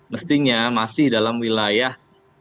mestinya masih dalam wilayah